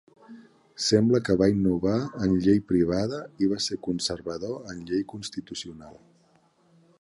Sembla que va innovar en llei privada i va ser conservador en llei constitucional.